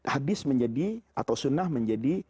hadis menjadi atau sunnah menjadi